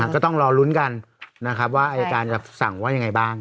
ก็ต้องรอลุ้นกันนะครับว่าอายการจะสั่งว่ายังไงบ้าง